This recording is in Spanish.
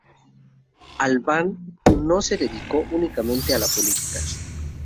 Albán no se dedicó únicamente a la política.